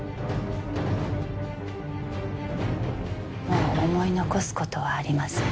もう思い残す事はありません。